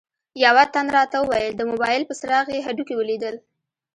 یوه تن راته وویل د موبایل په څراغ یې هډوکي ولیدل.